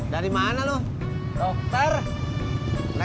dadah kak sman